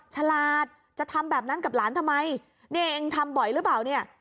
ฉลาดจะทำแบบนั้นกับหลานทำไมเนี่ยเองทำบ่อยหรือเปล่าเนี่ย